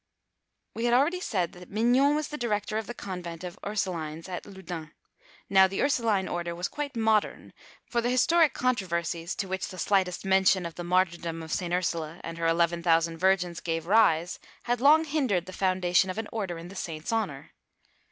We have already said that Mignon was the director of the convent of Ursulines at Loudun: Now the Ursuline order was quite modern, for the historic controversies to which the slightest mention of the martyrdom of St. Ursula and her eleven thousand virgins gave rise, had long hindered the foundation of an order in the saint's honour.